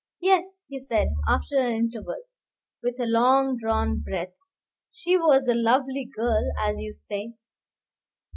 "Yes," he said, after an interval, with a long drawn breath, "she was a lovely girl, as you say."